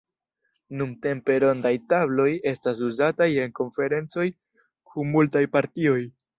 Nuntempe rondaj tabloj estas uzataj en konferencoj kun multaj partioj.